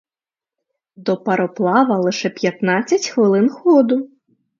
До пароплава лише п'ятнадцять хвилин ходу.